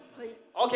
ＯＫ。